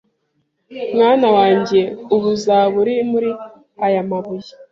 Mwana wanjye ubu uzaba uri muri aya mabuye